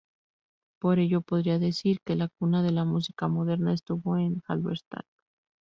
Por ello podría decir que la cuna de la música moderna estuvo en Halberstadt.